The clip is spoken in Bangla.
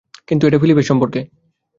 কিন্তু এটা ফিলিপের সম্পর্কে।